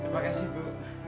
terima kasih bu